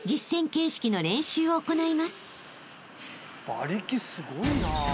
馬力すごいな。